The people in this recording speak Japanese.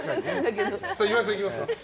岩井さんいきますか。